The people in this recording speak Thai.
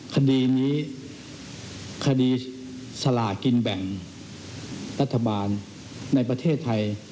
คดีนี้คดีสลากินแบ่งรัฐบาลในประเทศไทย